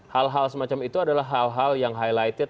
hal hal semacam itu adalah hal hal yang highlighted